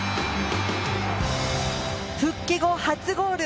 復帰後初ゴール。